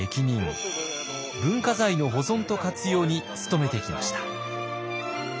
文化財の保存と活用に努めてきました。